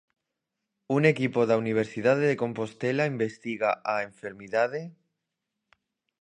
Un equipo da Universidade de Compostela investiga a enfermidade...